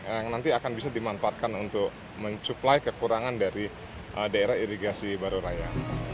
yang nanti akan bisa dimanfaatkan untuk mencuplai kekurangan dari daerah irigasi baru raya